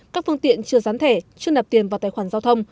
các phương tiện chưa gián thẻ chưa nạp tiền vào tài khoản giao thông